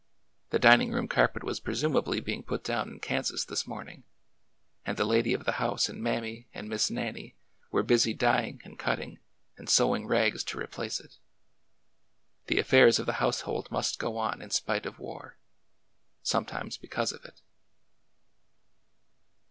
The dining room carpet was presumably being put down in Kansas this morning, and the lady of the house and Mammy and TRIFLES LIGHT AS AIR 219 Miss Nannie were busy dyeing and cutting and sewing rags to replace it. The affairs of the household must go on in spite of war — sometimes because of it.